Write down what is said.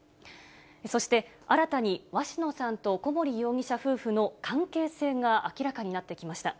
そして、新たに鷲野さんと小森容疑者夫婦の関係性が明らかになってきました。